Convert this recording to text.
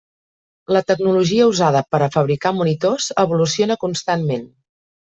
La tecnologia usada per a fabricar monitors evoluciona constantment.